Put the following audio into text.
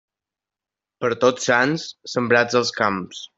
Per Tots Sants, sembrats els camps.